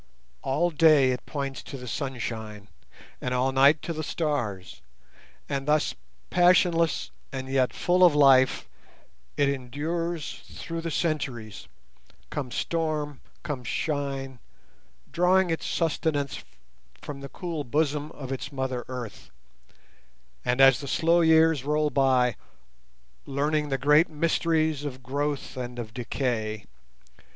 All day it points to the sunshine and all night to the stars, and thus passionless, and yet full of life, it endures through the centuries, come storm, come shine, drawing its sustenance from the cool bosom of its mother earth, and as the slow years roll by, learning the great mysteries of growth and of decay.